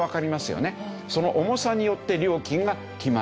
その重さによって料金が決まり